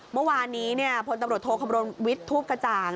เมื่อวานนี้พลตำรวจโทคำรณวิทย์ทูปกระจ่าง